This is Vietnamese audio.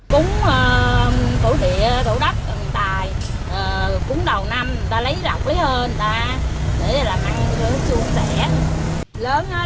cúng tổ địa tổ đất thần tài cúng đầu năm người ta lấy lọc lấy hơ người ta để làm ăn chua rẻ